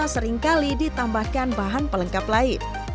seringkali ditambahkan bahan pelengkap lain